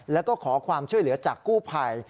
แล้วก็ขอความช่วยเหลือจากกู้ภัย